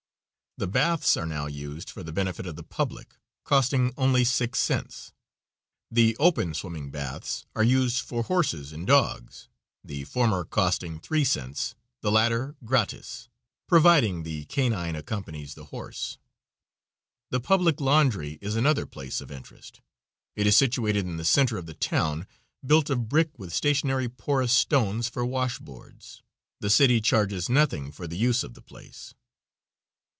The baths are now used for the benefit of the public, costing only six cents. The open swimming baths are used for horses and dogs, the former costing three cents, the latter gratis, providing the canine accompanies the horse. The public laundry is another place of interest. It is situated in the center of the town, built of brick, with stationary porous stones for washboards. The city charges nothing for the use of the place.